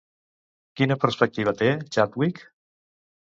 Quina perspectiva té Chadwick?